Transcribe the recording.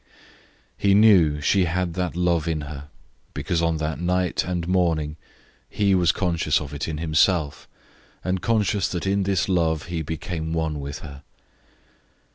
He knew she had that love in her because on that night and morning he was conscious of it in himself, and conscious that in this love he became one with her.